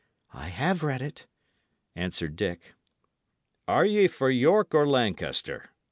"I have read it," answered Dick. "Are ye for York or Lancaster?"